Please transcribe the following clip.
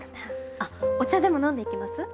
あっお茶でも飲んでいきます？